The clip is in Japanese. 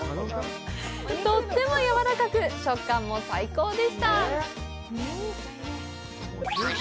とっても柔らかく、食感も最高でした！